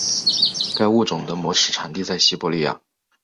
该物种的模式产地在西伯利亚。